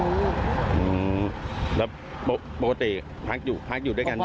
ปกติแล้วปกติพักอยู่พักอยู่ด้วยกัน